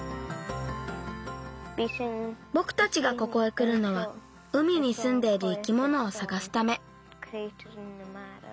ぼくたちがここへくるのは海にすんでいる生き物をさがすため。